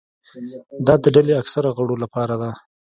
دا د ډلې اکثرو غړو لپاره ده.